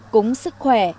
cúng sức khỏe